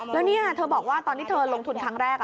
แล้วเนี่ยเธอบอกว่าตอนที่เธอลงทุนครั้งแรก